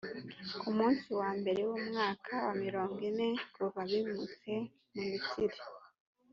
ku munsi wa mbere w’umwaka wa mirongo ine kuva bimutse mu misiri.